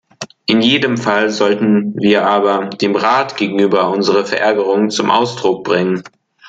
In jedem Fall sollten wir aber dem Rat gegenüber unsere Verärgerung zum Ausdruck bringen.